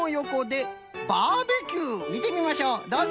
みてみましょうどうぞ。